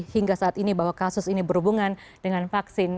hingga saat ini bahwa kasus ini berhubungan dengan vaksin